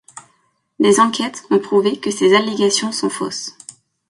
Des enquêtes ont prouvé que ces allégations sont fausses.